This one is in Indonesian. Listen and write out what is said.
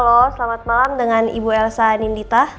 halo selamat malam dengan ibu elsa nindita